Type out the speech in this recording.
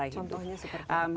contohnya seperti apa